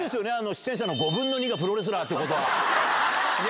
出演者の５分の２がプロレスラーって。